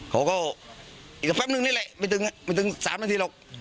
เขาก็อีกแป๊บหนึ่งนี่แหละไม่ดึงไม่ดึงสามนาทีหรอก